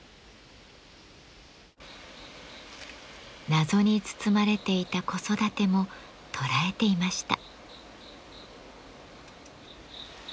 謎に包まれていた子育ても捉えていました。